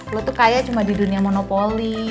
lo tuh kaya cuma di dunia monopoli